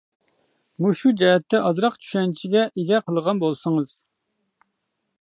مۇشۇ جەھەتتە ئازراق چۈشەنچىگە ئىگە قىلغان بولسىڭىز.